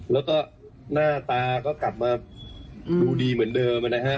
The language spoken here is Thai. แล้วก็หน้าตาก็กลับมาดูดีเหมือนเดิมนะฮะ